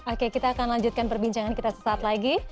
oke kita akan lanjutkan perbincangan kita sesaat lagi